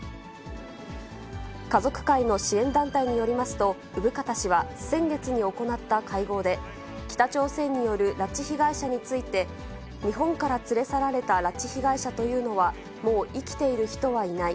家族会の支援団体によりますと、生方氏は先月に行った会合で、北朝鮮による拉致被害者について、日本から連れ去られた拉致被害者というのは、もう生きている人はいない。